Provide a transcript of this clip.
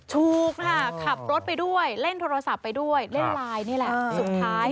ถูกค่ะขับรถไปด้วยเล่นโทรศัพท์ไปด้วยเล่นไลน์นี่แหละสุดท้าย